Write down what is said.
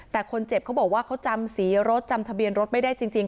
แต่คนเจ็บเขาบอกว่าเขาจำสีรถจำทะเบียนรถไม่ได้จริง